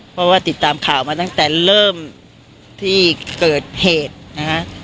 เพราะว่าติดตามข่าวมาตั้งแต่เริ่มที่เกิดเหตุนะฮะ